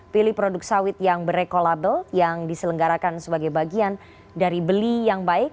pilih produk sawit yang berekolabel yang diselenggarakan sebagai bagian dari beli yang baik